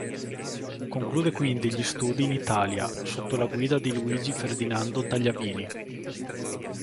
Conclude quindi gli studi in Italia, sotto la guida di Luigi Ferdinando Tagliavini.